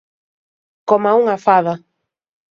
Coma unha fada.